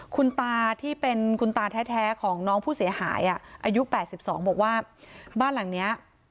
คุณตาที่เป็นคุณตาแท้ของน้องผู้เสียหายอายุ๘๒บอกว่าบ้านหลังเนี้ย